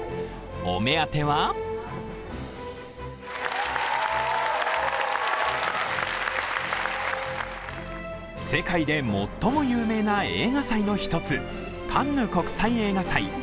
お目当ては世界で最も有名な映画祭の一つカンヌ国際映画祭。